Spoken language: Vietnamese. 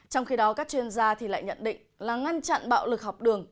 trong khi đó các chuyên gia thì lại nhận định là ngăn chặn bạo lực học đường